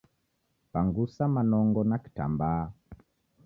Pangusa manongo na kitambaa